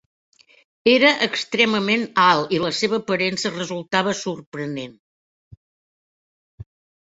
Era extremament alt i la seva aparença resultava sorprenent.